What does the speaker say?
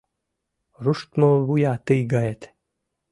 Руштмо вуя тый гает